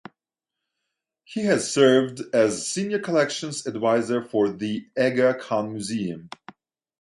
He has served as Senior Collections Adviser for the Aga Khan Museum.